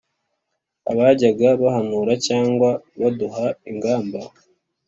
Abajyaga bahanura Cyangwa baduha ingamba